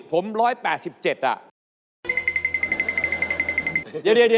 เพราะว่ารายการหาคู่ของเราเป็นรายการแรกนะครับ